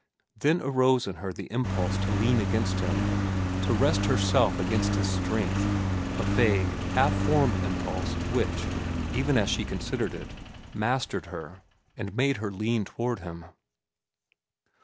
Then arose in her the impulse to lean against him, to rest herself against his strength—a vague, half formed impulse, which, even as she considered it, mastered her and made her lean toward him.